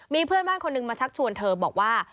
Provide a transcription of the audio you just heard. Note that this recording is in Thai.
มีเพื่อนบ้านคนหนึ่งมาชักชวนเธอบอกว่า